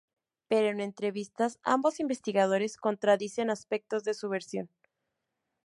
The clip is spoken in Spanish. Pero en entrevistas, ambos investigadores contradicen aspectos de su versión.